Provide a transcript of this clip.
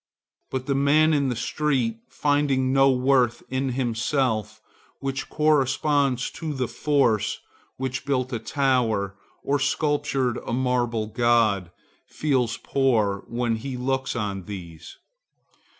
But the man in the street, finding no worth in himself which corresponds to the force which built a tower or sculptured a marble god, feels poor when he looks on these.